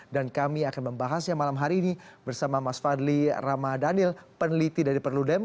dan kami akan membahasnya malam hari ini bersama mas fadli ramadhanil peneliti dari perludem